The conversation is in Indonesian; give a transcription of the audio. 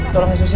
tolong ya sus ya